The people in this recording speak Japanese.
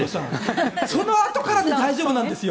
そのあとからで大丈夫なんですよ。